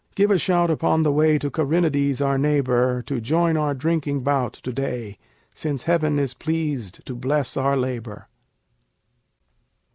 Give a shout upon the way to Charinades our neighbor, To join our drinking bout to day, since heaven is pleased to bless our labor.